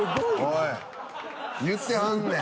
おい言ってはんねん。